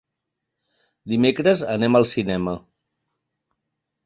Dimecres anem al cinema.